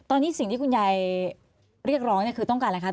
ตอนนี้สิ่งที่คุณยายเรียกร้องเนี่ยคือต้องการอะไรคะ